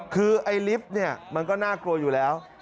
คือไอ้ลิฟต์เนี่ยมันก็น่ากลัวอยู่แล้ว